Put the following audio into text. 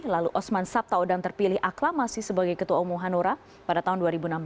lalu osman sabtaudang terpilih aklamasi sebagai ketua umum hanura pada tahun dua ribu enam belas